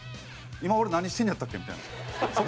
今俺何してんのやったっけ？みたいな。